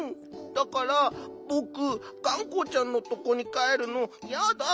だからぼくがんこちゃんのとこにかえるのやだ。